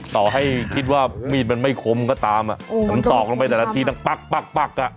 ต่อให้คิดว่ามีดมันไม่คมก็ตามอ่ะมันตอกลงไปแต่ละทีนั้นปั๊กปั๊กปั๊กอ่ะ